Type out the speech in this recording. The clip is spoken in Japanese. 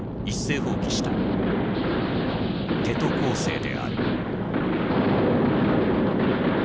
「テト攻勢」である。